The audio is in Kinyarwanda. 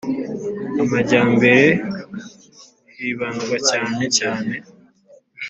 amajyambere hibandwa cyane cyane